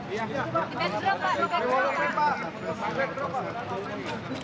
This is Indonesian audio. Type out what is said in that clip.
di betrop pak